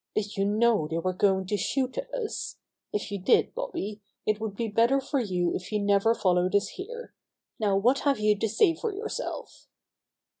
"Did you know they were going to shoot at us? If you did, Bobby, it would be better for you if you never followed us here. Now what have you to say for yourself